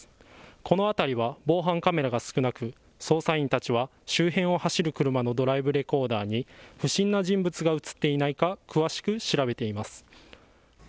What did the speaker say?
この辺りは防犯カメラが少なく捜査員たちは周辺を走る車のドライブレコーダーに不審な人物が写っていないか詳しく調べています。